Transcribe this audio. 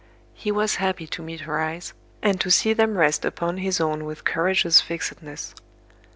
He was happy to meet her eyes, and to see them rest upon his own with courageous fixedness.